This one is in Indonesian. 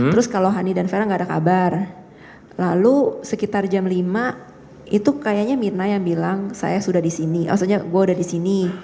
terus kalau hani dan vera gak ada kabar lalu sekitar jam lima itu kayaknya mirna yang bilang saya sudah di sini maksudnya gue udah di sini